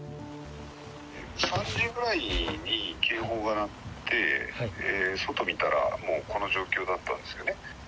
３時ぐらいに警報が鳴って、外見たら、もうこの状況だったんですよね。